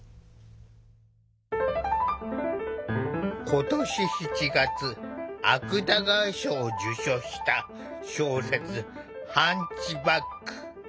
今年７月芥川賞を受賞した小説「ハンチバック」。